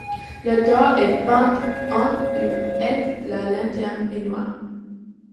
La tour est peinte en or et la lanterne est noire.